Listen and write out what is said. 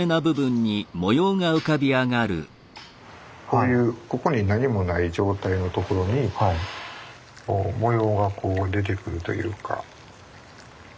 こういうここに何もない状態の所に模様がこう出てくるというか。